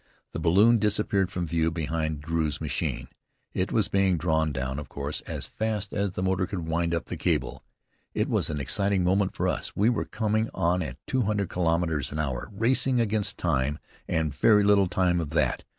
The balloon disappeared from view behind Drew's machine. It was being drawn down, of course, as fast as the motor could wind up the cable. It was an exciting moment for us. We were coming on at two hundred kilometres an hour, racing against time and very little time at that.